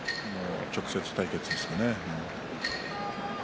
直接対決ですかね。